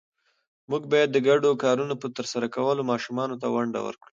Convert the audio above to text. موږ باید د ګډو کارونو په ترسره کولو ماشومانو ته ونډه ورکړو